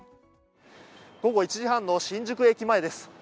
午後１時半の新宿駅前です。